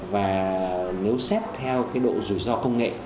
và nếu xét theo độ rủi ro công nghệ